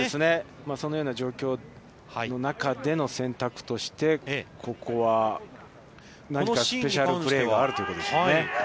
そのような状況の中での選択としてここは何かスペシャルプレーがあるということですね。